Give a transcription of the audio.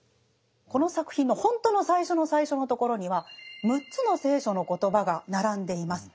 この作品のほんとの最初の最初のところには６つの聖書の言葉が並んでいます。